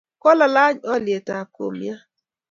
Kokolany olyetab kumiat